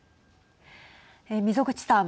溝口さん